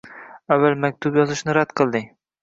Avval maktub yozishni rad qilding